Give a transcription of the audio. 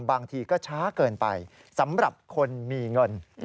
บางทีก็ช้าเกินไปสำหรับคนมีเงิน